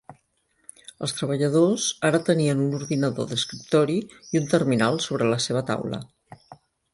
Els treballadors ara tenien un ordinador d'escriptori i un terminal sobre la seva taula.